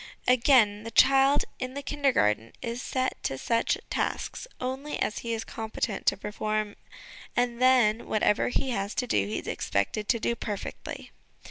Again, the child in the Kindergarten is set to such tasks only as he is competent to perform, and then, whatever he has to do, he is expected to do perfectly.